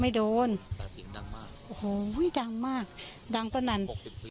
ไม่โดนแต่สิ่งดังมากโอ้โหดังมากดังตั้งนั้น